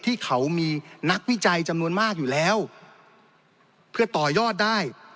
ที่เขามีนักวิจัยจำนวนมากอยู่แล้วเพื่อต่อยอดได้